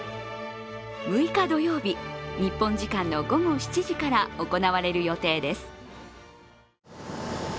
６日土曜日、日本時間の午後７時から行われる予定です。